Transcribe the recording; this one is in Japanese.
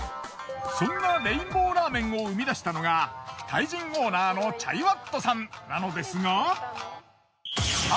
そんなレインボーラーメンを生み出したのがタイ人オーナーのチャイワットさんなのですが。